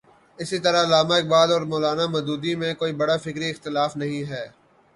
اسی طرح علامہ اقبال اور مو لا نا مو دودی میں کوئی بڑا فکری اختلاف نہیں ہے۔